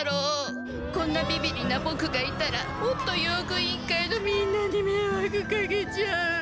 こんなビビリなボクがいたらもっと用具委員会のみんなにめいわくかけちゃう。